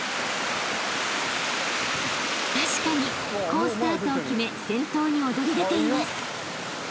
［確かに好スタートを決め先頭に躍り出ています］